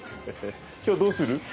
今日どうする？